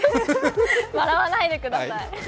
笑わないでください！